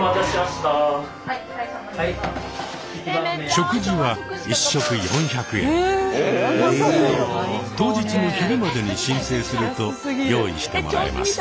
食事は１食当日の昼までに申請すると用意してもらえます。